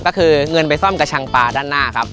ก็คือเงินไปซ่อมกระชังปลาด้านหน้าครับ